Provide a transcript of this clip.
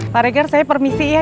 pak reger saya permisi ya